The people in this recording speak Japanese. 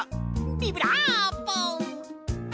ビブラーボ！